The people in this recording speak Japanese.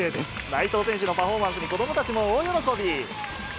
内藤選手のパフォーマンスに、子どもたちも大喜び。